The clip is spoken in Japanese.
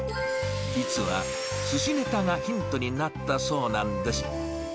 実はすしネタがヒントになったそうなんです。